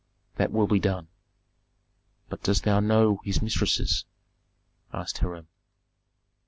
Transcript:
"That will be done." "But dost thou know his mistresses?" asked Hiram.